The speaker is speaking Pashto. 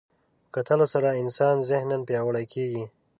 په کتلو سره انسان ذهناً پیاوړی کېږي